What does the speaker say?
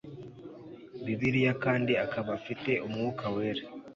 bibiliya kandi akaba afite umwuka wera